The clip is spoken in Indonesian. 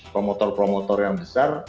promotor promotor yang besar